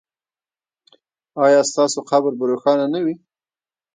ایا ستاسو قبر به روښانه نه وي؟